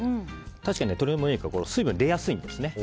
確かに鶏の胸肉は水分が出やすいんですね。